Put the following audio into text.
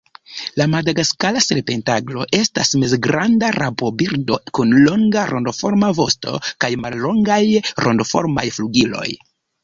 La Madagaskara serpentaglo estas mezgranda rabobirdo kun longa rondoforma vosto kaj mallongaj rondoformaj flugiloj.